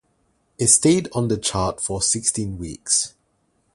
It stayed on the chart for sixteen weeks.